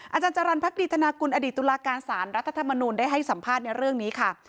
อาจารย์จรรย์พักดีธนากุลอดีตตุลาการสารรัฐธรรมนูลได้ให้สัมภาษณ์ในเรื่องนี้ค่ะ